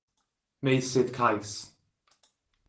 Meysydd Cais